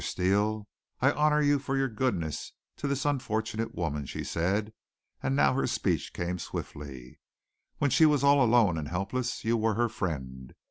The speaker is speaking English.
Steele, I honor you for your goodness to this unfortunate woman," she said, and now her speech came swiftly. "When she was all alone and helpless you were her friend.